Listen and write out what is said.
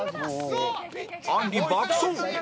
あんり爆走